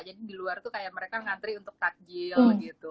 jadi di luar itu kayak mereka ngantri untuk takjil gitu